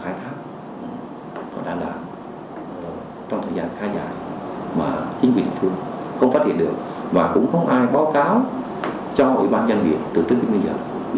các đồng chí lãnh đạo trong thường trực ủy ban nhân dân huyện mình nghĩ rồi các mình đến trường mình phát hiện ra những vụ việc đó họ đã khai thác họ đã làm trong thời gian khá dài mà chính quyền phương không phát hiện được và cũng không ai báo cáo cho ủy ban nhân dân huyện từ trước đến bây giờ